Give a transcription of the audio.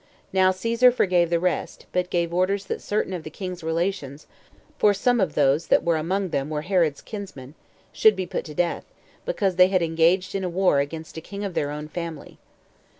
Now Caesar forgave the rest, but gave orders that certain of the king's relations [for some of those that were among them were Herod's kinsmen] should be put to death, because they had engaged in a war against a king of their own family.